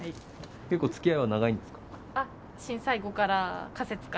結構つきあいは長いんですか？